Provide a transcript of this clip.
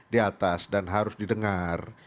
di atas dan harus didengar